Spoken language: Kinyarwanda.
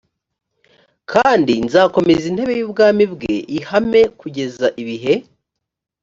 kandi nzakomeza intebe y ubwami bwe ihame kugeza ibihe